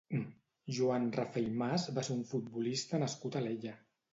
Joan Rafa i Mas va ser un futbolista nascut a Alella.